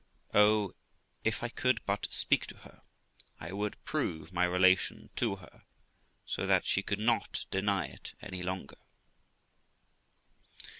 Girl. Oh, if I could but speak to her, I would prove my relation to her, so that she could not deny it any longer.